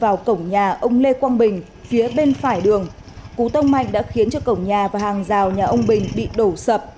vào cổng nhà ông lê quang bình phía bên phải đường cú tông mạnh đã khiến cho cổng nhà và hàng rào nhà ông bình bị đổ sập